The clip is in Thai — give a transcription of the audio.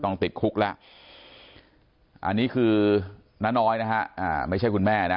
ต้องติดคุกแล้วอันนี้คือน้าน้อยนะฮะไม่ใช่คุณแม่นะ